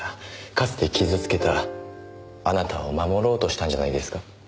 かつて傷つけたあなたを守ろうとしたんじゃないですか？